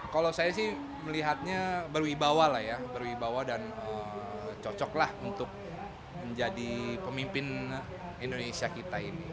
kalau saya sih melihatnya berwibawa dan cocoklah untuk menjadi pemimpin indonesia